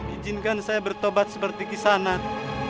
izinkan saya bertobat seperti kisanak